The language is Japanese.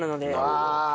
あ！